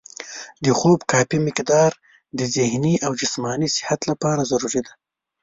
د خوب کافي مقدار د ذهني او جسماني صحت لپاره ضروري دی.